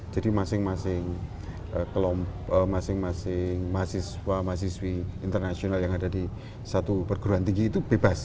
jadi masing masing kelompok masing masing mahasiswa mahasiswi internasional yang ada di satu perguruan tinggi itu bebas